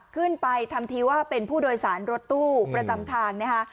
ขึ้นไปทำทีว่าเป็นผู้โดยสารรถตู้ประจำทางนะคะ